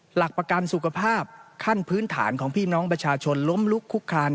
หลักประกันสุขภาพขั้นพื้นฐานของพี่น้องประชาชนล้มลุกคุกคาน